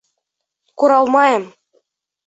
Күралмайым!